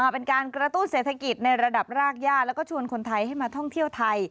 เป็นการกระตุ้นเศรษฐกิจในระดับรากย่าแล้วก็ชวนคนไทยให้มาท่องเที่ยวไทย